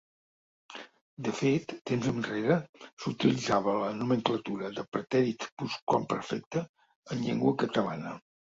De fet, temps enrere s'utilitzava la nomenclatura de pretèrit plusquamperfet en llengua catalana.